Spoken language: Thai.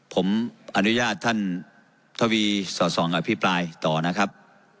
ผมอนุญาตท่านทวีสอดส่องอภิปรายต่อนะครับ